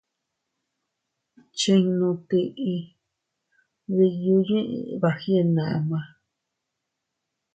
Chinnu tiʼi diyu yiʼi bagyenama.